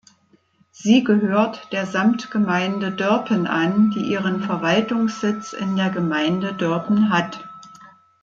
Sie gehört der Samtgemeinde Dörpen an, die ihren Verwaltungssitz in der Gemeinde Dörpen hat.